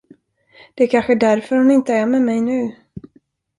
Det är kanske därför hon inte är med mig nu.